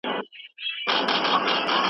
د هندوستان ګرمۍ په اور پوخ کړی يمه